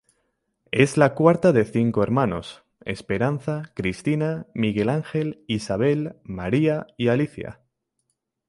Es la cuarta de cinco hermanos: Esperanza, Cristina, Miguel Ángel, Isabel, María y Alicia.